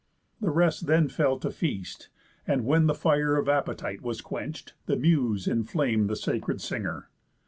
The rest then fell to feast, and, when the fire Of appetite was quench'd, the Muse inflam'd The sacred singer.